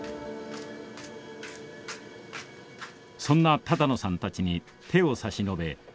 そんな多々納さんたちに手を差し伸べ